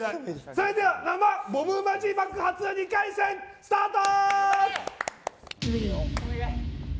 それでは生ボムマジ爆発２回戦スタート！